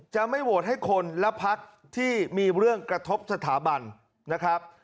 จะไม่โหวตให้คนและพักที่มีเรื่องกระทบสถาบันนะครับ